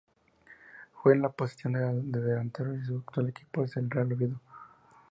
Juega en la posición de delantero y su actual equipo es el Real Oviedo.